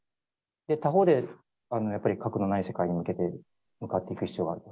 他方で、やっぱり核のない世界に向けて向かっていく必要があると。